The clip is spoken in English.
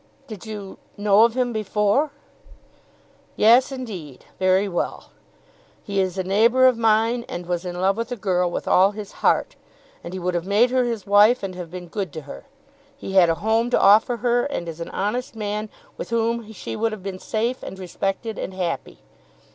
"Did you know of him before?" "Yes indeed; very well. He is a neighbour of mine and was in love with a girl, with all his heart; and he would have made her his wife and have been good to her. He had a home to offer her, and is an honest man with whom she would have been safe and respected and happy.